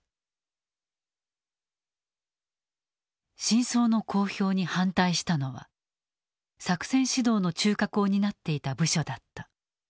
真相の公表に反対したのは作戦指導の中核を担っていた部署だった。